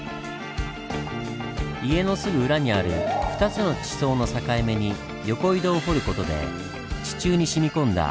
家のすぐ裏にある２つの地層の境目に横井戸を掘る事で地中にしみ込んだ